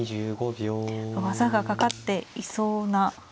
技がかかっていそうな。